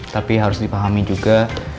tapi harus dipahami juga